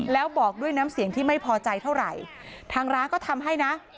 แล้วบอกด้วยน้ำเสียงที่ไม่พอใจเท่าไหร่ทางร้านก็ทำให้นะ